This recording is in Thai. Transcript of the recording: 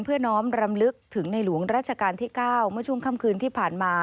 น้อมรำลึกถึงในหลวงราชการที่๙เมื่อช่วงค่ำคืนที่ผ่านมา